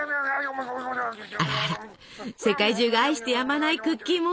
あらあら世界中が愛してやまないクッキーモンスター。